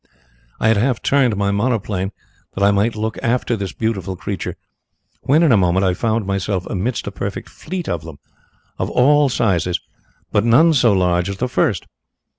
"I had half turned my monoplane, that I might look after this beautiful creature, when, in a moment, I found myself amidst a perfect fleet of them, of all sizes, but none so large as the first.